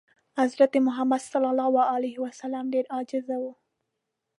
حضرت محمد ﷺ ډېر عاجز و.